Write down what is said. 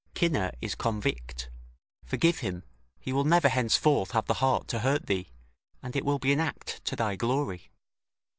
Cinna is convict; forgive him, he will never henceforth have the heart to hurt thee, and it will be an act to thy glory."